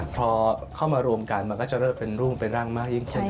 พอเข้ามารวมกันมันก็จะเริ่มเป็นรูปเป็นร่างมากยิ่งขึ้น